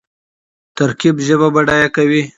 ترکیب ژبه بډایه کوي.